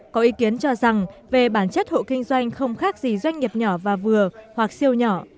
có ý kiến cho rằng về bản chất hộ kinh doanh không khác gì doanh nghiệp nhỏ và vừa hoặc siêu nhỏ